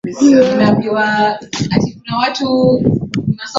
bali huishi wilaya zote sita za Mkoa wa Mara